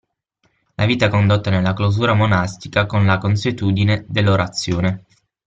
La vita condotta nella clausura monastica con la consuetudine dell'orazione.